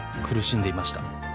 「苦しんでいました